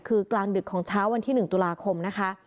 คือกลางดึกของเช้าวันที่๑ตุลาคมนะคะ